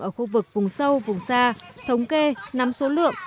ở khu vực vùng sâu vùng xa thống kê nắm số lượng